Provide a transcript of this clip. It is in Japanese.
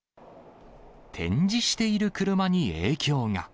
展示している車に影響が。